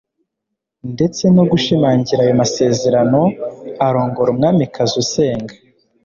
ndetse no gushimangira ayo masezerano arongora umwamikazi usenga